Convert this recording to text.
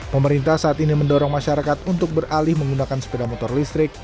pemerintah saat ini mendorong masyarakat untuk beralih menggunakan sepeda motor listrik